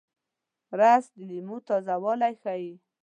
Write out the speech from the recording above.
رس د میوې تازهوالی ښيي